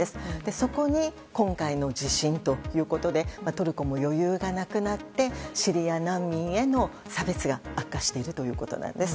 そこに今回の地震ということでトルコも余裕がなくなってシリア難民への差別が悪化しているということなんです。